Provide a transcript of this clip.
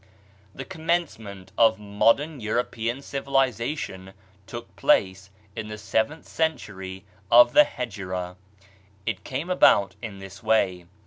The commencement of modem European civ ilization took place in the seventh century of the Hegira. It came about in this way.